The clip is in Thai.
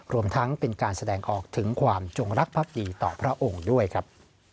รวมทั้งเป็นการแสดงออกถึงความจงรักภักดีต่อพระองค์ด้วยครับ